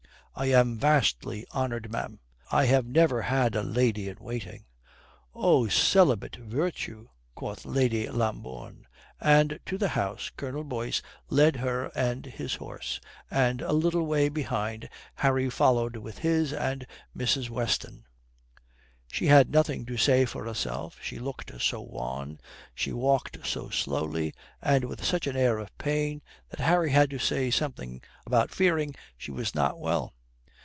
"I am vastly honoured, ma'am. I have never had a lady in waiting." "Oh, celibate virtue!" quoth Miss Lambourne. And so to the house Colonel Boyce led her and his horse, and a little way behind Harry followed with his and Mrs. Weston. She had nothing to say for herself. She looked so wan, she walked so slowly, and with such an air of pain that Harry had to say something about fearing she was not well.